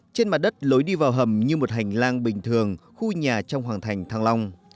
trên mặt đất lối đi vào hầm như một hành lang bình thường khu nhà trong hoàng thành thăng long